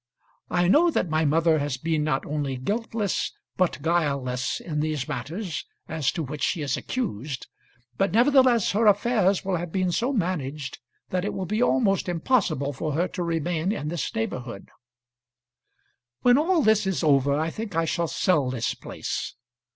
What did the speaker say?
I know that my mother has been not only guiltless, but guileless, in these matters as to which she is accused; but nevertheless her affairs will have been so managed that it will be almost impossible for her to remain in this neighbourhood. When all this is over, I think I shall sell this place.